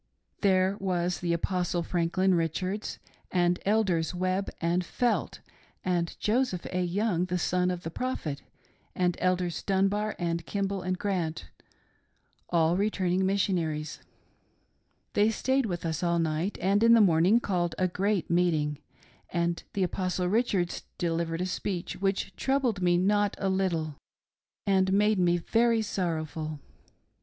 There was the Apostle Franklin Richards, and Elders Webb and Felt, and Joseph. A. Young, the son of the Prophet, and Elders Dunbar, and Kimball, and Grant — alii returning Missionaries. They stayed with us all night, and in the morning called a great meeting, and the Apostle Rich ards delivered a speech, which troubled me not a little, and xnade me very sorrowful.